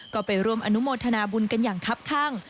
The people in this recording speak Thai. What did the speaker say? ก็ไปร่วมอนุโมทนาบุญกันอย่างคับข้าง